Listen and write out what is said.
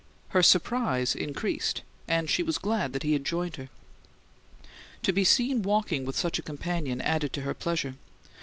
Her surprise increased; and she was glad that he had joined her. To be seen walking with such a companion added to her pleasure.